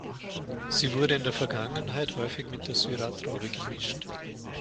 Sie wurde in der Vergangenheit häufig mit der Syrah-Traube gemischt.